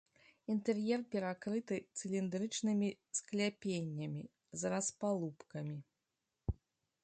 Інтэр'ер перакрыты цыліндрычнымі скляпеннямі з распалубкамі.